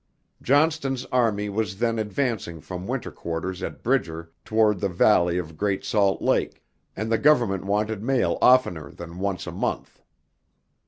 Johnston's army was then advancing from winter quarters at Bridger toward the valley of Great Salt Lake, and the Government wanted mail oftener then once a month.